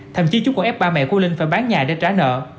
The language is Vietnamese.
thậm chí chúng còn ép ba mẹ của linh phải bán nhà để trả nợ